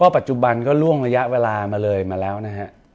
ปัจจุบันก็ล่วงระยะเวลามาเลยมาแล้วนะฮะ